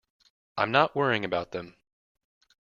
I'm not worrying about them.